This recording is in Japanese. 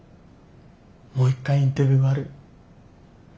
もう一回インタビューある。